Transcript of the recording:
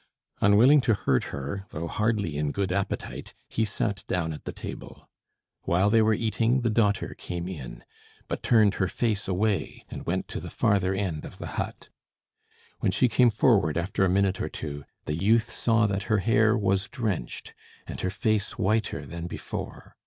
Unwilling to hurt her, though hardly in good appetite, he sat down at the table. While they were eating, the daughter came in, but turned her face away and went to the farther end of the hut. When she came forward after a minute or two, the youth saw that her hair was drenched, and her face whiter than before.